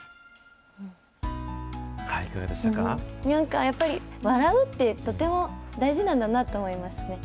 なんかやっぱり、笑うってとても大事なんだなと思いました。